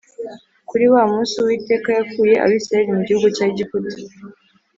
kuri wa munsi, uwiteka yakuye abisiraheli mu gihugu cya egiputa,